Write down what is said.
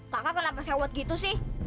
kakak kenapa saya buat gitu sih